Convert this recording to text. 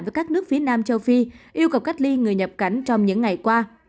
với các nước phía nam châu phi yêu cầu cách ly người nhập cảnh trong những ngày qua